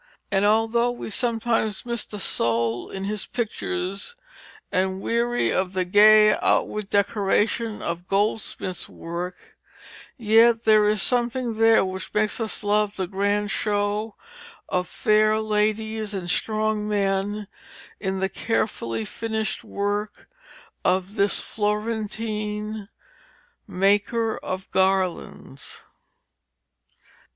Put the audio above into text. And although we sometimes miss the soul in his pictures and weary of the gay outward decoration of goldsmith's work, yet there is something there which makes us love the grand show of fair ladies and strong men in the carefully finished work of this Florentine 'Maker of Garlands.'